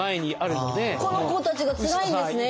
この子たちがつらいんですね